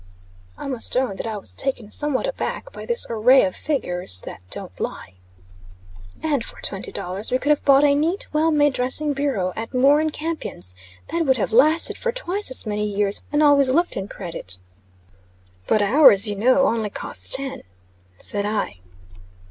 I must own that I was taken somewhat aback by this array of figures "that don't lie." "And for twenty dollars we could have bought a neat, well made dressing bureau, at Moore and Campion's, that would have lasted for twice as many years, and always looked in credit." "But ours, you know, only cost ten," said I.